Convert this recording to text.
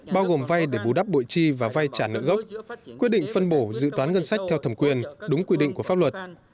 bao gồm vay để bù đắp bội chi và vay trả nợ gốc quyết định phân bổ dự toán ngân sách theo thẩm quyền đúng quy định của pháp luật